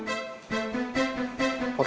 gua tau kok